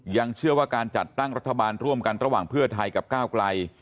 ยังเชื่อว่าการจัดตั้งรัฐบาลร่วมกันระหว่างเพื่อไทยกับก้าวไกล